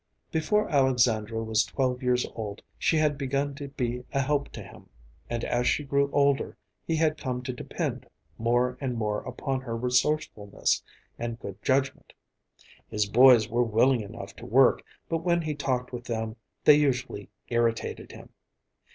Before Alexandra was twelve years old she had begun to be a help to him, and as she grew older he had come to depend more and more upon her resourcefulness and good judgment. His boys were willing enough to work, but when he talked with them they usually irritated him.